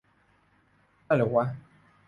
ได้เหรอวะ ?